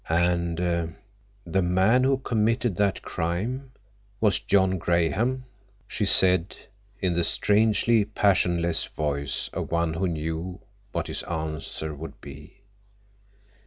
"And the man who committed that crime—was John Graham," she said, in the strangely passionless voice of one who knew what his answer would be.